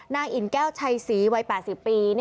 นางอินแก้วชายศรีวัย๘๐ปี